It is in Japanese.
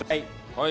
はい。